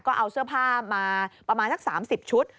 ก็เอาเสื้อผ้ามาประมาณสัก๓๐ชุด